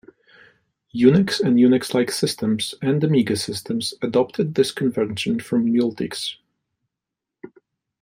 Unix and Unix-like systems, and Amiga systems, adopted this convention from Multics.